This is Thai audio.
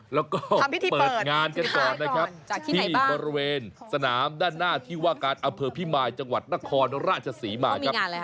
แล้วก็เปิดงานกันก่อนนะครับที่บริเวณสนามด้านหน้าที่ว่าการอำเภอพิมายจังหวัดนครราชศรีมาครับ